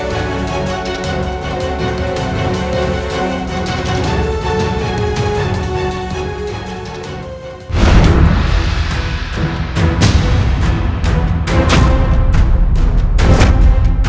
jika aku menemukannya